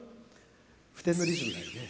付点のリズムだよね。